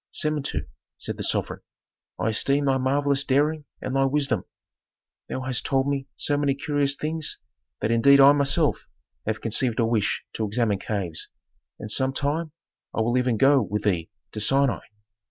"Samentu," said the sovereign, "I esteem thy marvellous daring and thy wisdom; thou hast told me so many curious things that indeed I myself have conceived a wish to examine caves, and some time I will even go with thee to Sinai.